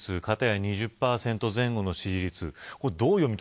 片や２０％前後の支持率。